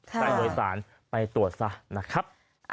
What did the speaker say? สายโดยสารไปตรวจซะนะครับ